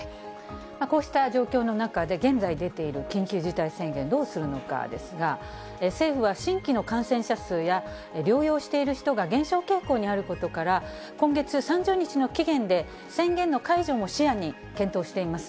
こうした状況の中で、現在出ている緊急事態宣言、どうするのかですが、政府は新規の感染者数や、療養している人が減少傾向にあることから、今月３０日の期限で、宣言の解除も視野に検討しています。